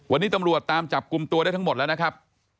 วันนี้ตำรวจตามจับกลุ่มตัวได้ทั้งหมดแล้วนะครับ